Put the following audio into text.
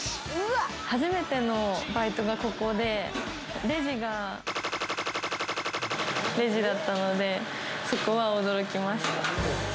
初めてのバイトがここで、レジがレジだったので、そこは驚きました。